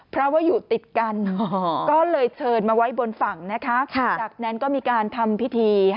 เพราะว่าอยู่ติดกันก็เลยเชิญมาไว้บนฝั่งนะคะจากนั้นก็มีการทำพิธี